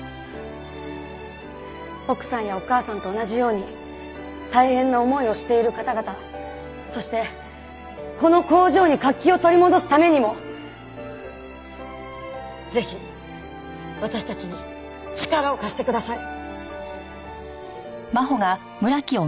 奥さんやお母さんと同じように大変な思いをしている方々そしてこの工場に活気を取り戻すためにもぜひ私たちに力を貸してください！